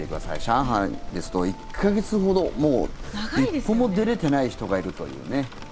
上海ですと１か月ほどもう一歩も出れてない人がいるというね。